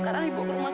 tolong ada korban mas